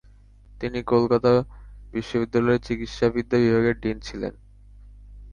তিনি কলকাতা বিশ্ববিদ্যালয়ের চিকিত্সাবিদ্যা বিভাগের ডীন ছিলেন।